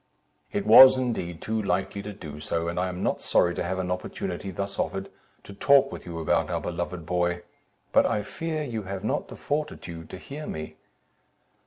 "It was indeed too likely to do so, and I am not sorry to have an opportunity thus offered, to talk with you about our beloved boy; but I fear you have not the fortitude to hear me."